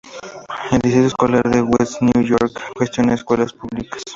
El Distrito Escolar de West New York gestiona escuelas públicas.